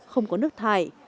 không có nước thải